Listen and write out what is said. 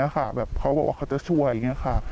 เขาบอกว่าจะช่วย